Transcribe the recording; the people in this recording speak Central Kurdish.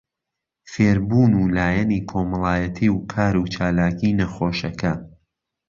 فێربوون و لایەنی کۆمەڵایەتی و کاروچالاکی نەخۆشەکە